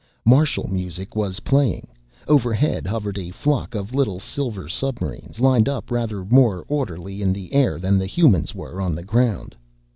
Martial music was playing. Overhead hovered a flock of little silver submarines, lined up rather more orderly in the air than the humans were on the ground.